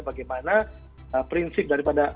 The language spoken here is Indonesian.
bagaimana prinsip daripada akademi